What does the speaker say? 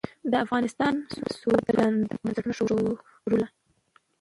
د افغانانو سوبه د لندن بنسټونه ښورولې.